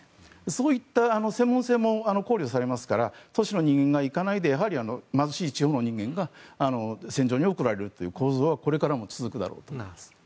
そういった専門性も考慮されますから都市の人間が行かないでやはり貧しい地方の人間が戦場に送られるという構図はこれからも続くだろうと思います。